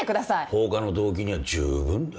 放火の動機には十分だ。